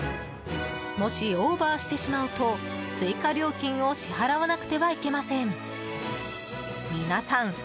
もしオーバーしてしまうと追加料金を支払わなくてはいけません。